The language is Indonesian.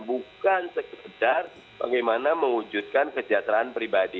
bukan sekedar bagaimana mewujudkan kesejahteraan pribadi